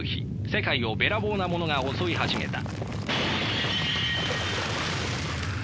世界をべらぼうなものが襲い始めた。